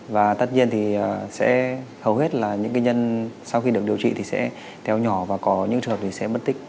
và tất nhiên thì sẽ hầu hết là những nhân sau khi được điều trị thì sẽ teo nhỏ và có những trường hợp thì sẽ bất tích